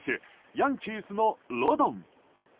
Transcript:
ヤンキースのロドン。